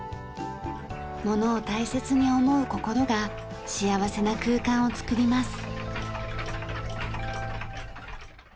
物を大切に思う心が幸せな空間を作ります。